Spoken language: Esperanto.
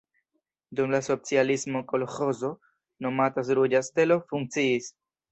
Dum la socialismo kolĥozo nomata Ruĝa Stelo funkciis.